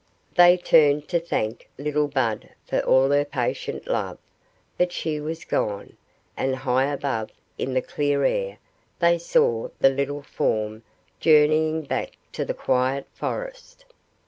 They turned to thank little Bud for all her patient love, but she was gone; and high above, in the clear air, they saw the little form journeying back to the quiet forest.